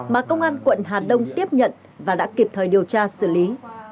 mà công an quận hà đông tiếp nhận và đã kịp thời điều tra xử lý